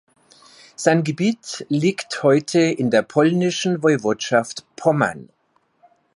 Sein Gebiet liegt heute in der polnischen Woiwodschaft Pommern.